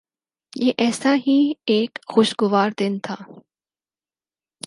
یہ ایسا ہی ایک خوشگوار دن تھا۔